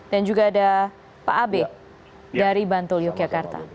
dan juga ada pak abe dari bantul yogyakarta